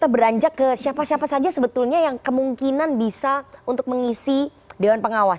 beranjak ke siapa siapa saja sebetulnya yang kemungkinan bisa untuk mengisi dewan pengawas